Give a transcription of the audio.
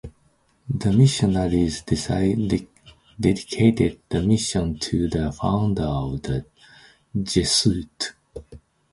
The missionaries dedicated the mission to the founder of the Jesuits.